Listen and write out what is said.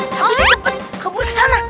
tapi cepet kabur ke sana